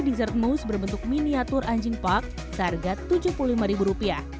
dessert moose berbentuk miniatur anjing park seharga rp tujuh puluh lima